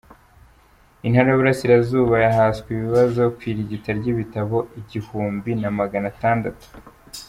Intara y’Iburasirazuba yahaswe ibibazo ku irigita ry’ibitabo igihumbi na Magana itandatu